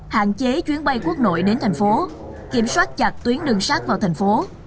hạn chế chuyến bay quốc nội đến thành phố kiểm soát chặt tuyến đường sát vào thành phố